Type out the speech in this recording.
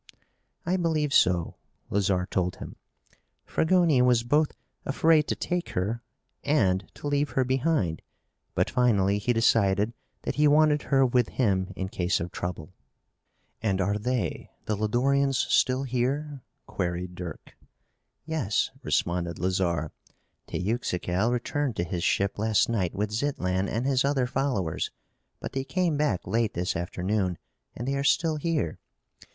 "I believe so," Lazarre told him. "Fragoni was both afraid to take her and to leave her behind, but finally he decided that he wanted her with him in case of trouble." "And are they the Lodorians still here?" queried Dirk. "Yes," responded Lazarre. "Teuxical returned to his ship last night with Zitlan and his other followers, but they came back late this afternoon, and they are still here.